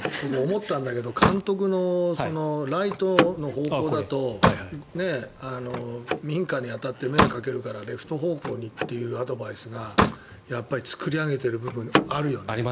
思ったんだけど監督のライトの方向だと民家に当たって迷惑かけるからレフト方向にというアドバイスがやっぱり作り上げている部分があるよね。